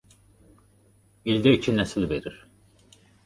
İldə iki nəsil verir.